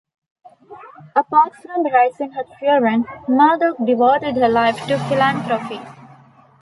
Apart from raising her children, Murdoch devoted her life to philanthropy.